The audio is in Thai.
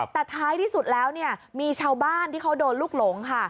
แต่ท้ายที่สุดแล้วเนี่ยมีชาวบ้านที่เขาโดนลูกหลงค่ะ